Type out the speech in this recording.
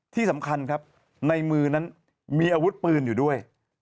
ที่สำคัญครับในมือนั้นมีอาวุธปืนอยู่ด้วย